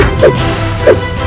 tidak ada apa apa